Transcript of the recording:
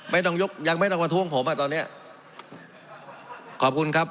ไม่ต้องยกยังไม่ต้องประท้วงผมอ่ะตอนเนี้ยขอบคุณครับ